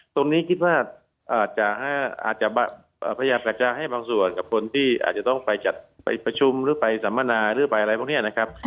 ตรงนี้คิดว่าอาจจะพยายามอยากจะให้บางส่วนกับคนที่อาจจะต้องไปจัดไปประชุมหรือไปสัมมนาหรือไปอะไรพวกนี้นะครับ